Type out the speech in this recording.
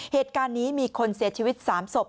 เหตุการณ์นี้มีคนเสียชีวิต๓ศพ